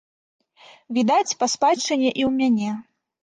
Відаць, па спадчыне і ў мяне.